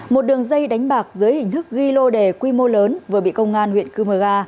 một đường dây đánh bạc dưới hình thức ghi lô đề quy mô lớn vừa bị công an huyện cư mờ ga